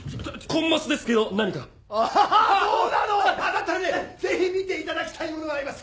だったらねぜひ見ていただきたいものがあります！